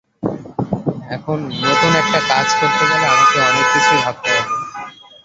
এখন নতুন একটা কাজ করতে গেলে আমাকে অনেক কিছুই ভাবতে হবে।